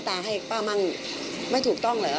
แม่ตาให้ป้าบ้างไม่ถูกต้องเหรอ